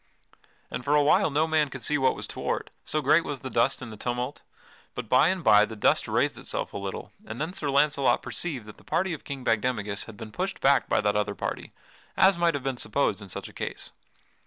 And for a while no man could see what was toward, so great was the dust and the tumult. But by and by the dust raised itself a little and then Sir Launcelot perceived that the party of King Bagdemagus had been pushed back by that other party, as might have been supposed in such a case.